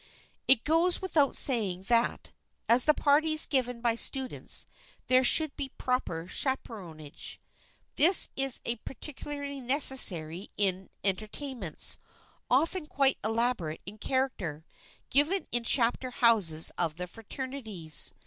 It goes without saying that, at the parties given by students, there should be proper chaperonage. This is particularly necessary in entertainments, often quite elaborate in character, given in chapter houses of the fraternities.